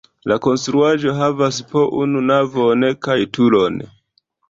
La konstruaĵo havas po unu navon kaj turon.